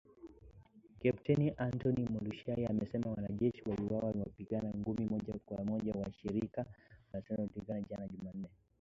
Kepteni Antony Mualushayi, amesema wanajeshi waliwaua wapiganaji kumi na moja wa shirika la waasi tokea Uganda jana Jumanne